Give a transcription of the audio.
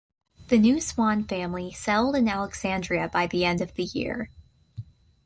The new Swann family settled in Alexandria by the end of the year.